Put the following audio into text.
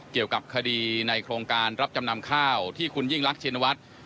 เกี่ยวกับคดีในโครงการรับจำนำข้าวที่คุณยิ่งรักชินวัฒน์